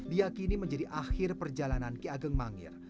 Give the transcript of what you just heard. diakini menjadi akhir perjalanan ki ageng mangir